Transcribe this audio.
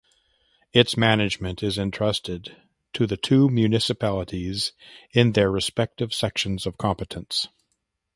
Its management is entrusted to the two municipalities in their respective sections of competence.